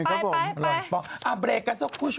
เอาไป